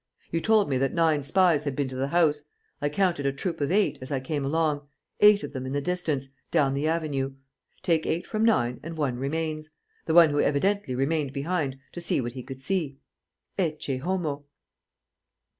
You told me that nine spies had been to the house. I counted a troop of eight, as I came along, eight of them in the distance, down the avenue. Take eight from nine and one remains: the one who evidently remained behind to see what he could see. _Ecce homo!